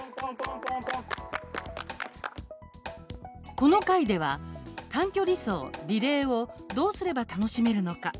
この回では、短距離走・リレーをどうすれば楽しめるのか